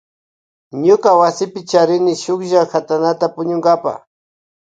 Ñuka wasipi charini shuklla katanata puñunkapa.